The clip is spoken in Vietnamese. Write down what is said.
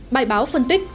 bài báo phân tích